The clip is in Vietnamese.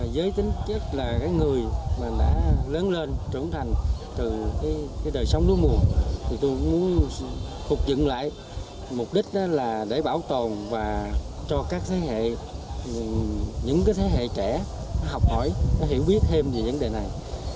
giới tính chất là người đã lớn lên trưởng thành từ đời sống lúa mùa thì tôi muốn phục dựng lại mục đích đó là để bảo tồn và cho các thế hệ những thế hệ trẻ học hỏi hiểu biết thêm về vấn đề này